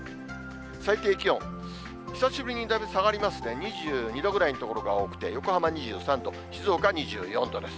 最低気温、久しぶりにだいぶ下がりますね、２２度ぐらいの所が多くて、横浜２３度、静岡２４度です。